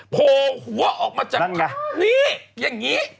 โผล่หัวออกมาจากนี่อย่างนี้